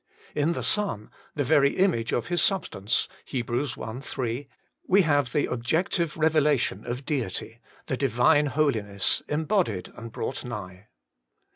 In the Son, ' the very image of His substance ' (Heb. i. 3), we have the objective revela tion of Deity, the Divine Holiness embodied and brought nigh.